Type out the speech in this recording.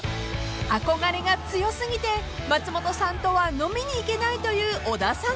［憧れが強すぎて松本さんとは飲みに行けないという小田さん］